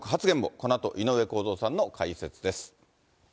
このあと井上公造さんの解説です。